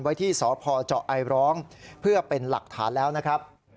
ไว้ที่สพเจาะไอร้องเพื่อเป็นหลักฐานแล้วนะครับ